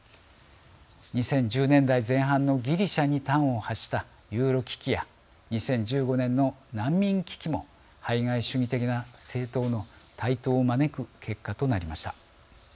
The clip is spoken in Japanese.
２０１０年代前半のギリシャに端を発したユーロ危機や２０１５年の難民危機も排外主義的な政党の台頭を招く結果となりました。